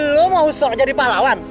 lo mau sok jadi pahlawan